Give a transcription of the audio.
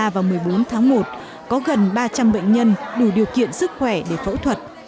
một mươi ba và một mươi bốn tháng một có gần ba trăm linh bệnh nhân đủ điều kiện sức khỏe để phẫu thuật